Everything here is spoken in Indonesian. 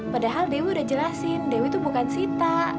padahal dewi udah jelasin dewi itu bukan sita